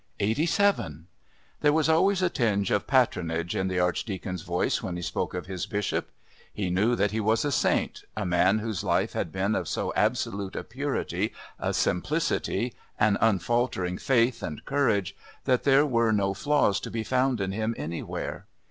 "Eighty seven." There was always a tinge of patronage in the Archdeacon's voice when he spoke of his Bishop. He knew that he was a saint, a man whose life had been of so absolute a purity, a simplicity, an unfaltering faith and courage, that there were no flaws to be found in him anywhere.